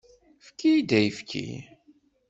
Efk-iyi-d ayefki.